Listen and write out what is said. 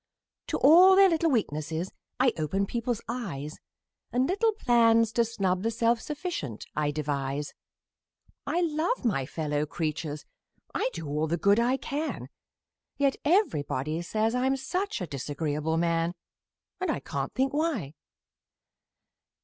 To all their little weaknesses I open people's eyes And little plans to snub the self sufficient I devise; I love my fellow creatures I do all the good I can Yet everybody say I'm such a disagreeable man! And I can't think why!